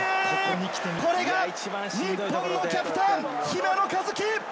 これが日本のキャプテン・姫野和樹！